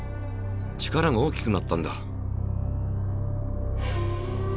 力が大きくなったんだ。